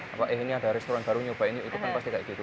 apa eh ini ada restoran baru nyobain yuk ikutan pasti kayak gitu